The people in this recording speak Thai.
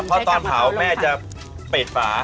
เพราะตอนเผาแม่จะปิดฝา